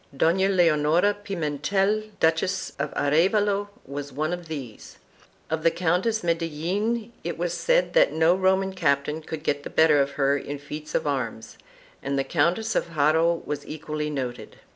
Dona Leonora Pimentel, Duchess of Arevalo, was one of these; of the Countess of Medellin it was said that no Roman captain could get the better of her in feats of arms, and the Countess of Haro was equally noted.